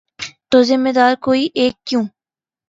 تو ذمہ دار کوئی ایک کیوں؟